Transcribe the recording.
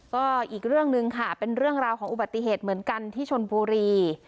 ก็อีกเรื่องหนึ่งค่ะเป็นเรื่องราวของอุบัติเหตุเหมือนกันที่ชนบุรี